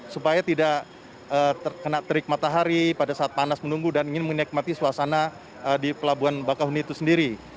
supaya tidak terkena terik matahari pada saat panas menunggu dan ingin menikmati suasana di pelabuhan bakahuni itu sendiri